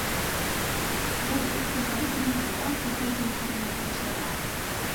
La llet com a regla general pateix una fermentació làctica.